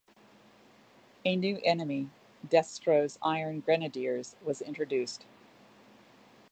A new enemy, Destro's Iron Grenadiers, was introduced.